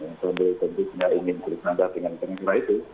mereka tentunya ingin berpindah dengan karyawan itu